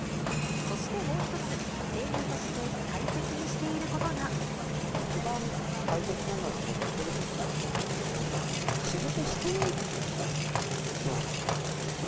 そしてもう一つ、一番大切なのは、仕事してるときもそうですけど、仕事してないときに、どうかっていうことですよね。